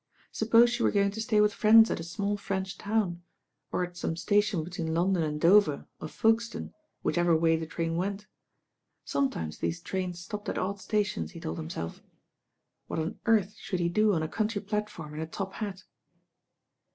Suppose she were going to stay with friends at a small I rench town, or at some station between Lon don and Dover, or Folkestone, whichever way the tram went. Sometimes these trains stopped at odd stations, he told himself. What on earth should he do on a country platform in a top hat?